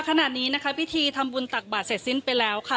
ขณะนี้นะคะพิธีทำบุญตักบาทเสร็จสิ้นไปแล้วค่ะ